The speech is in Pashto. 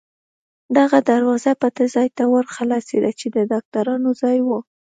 دغه دروازه پټۍ ځای ته ور خلاصېده، چې د ډاکټرانو ځای و.